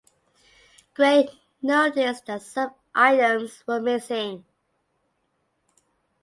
Gray noticed that some items were missing.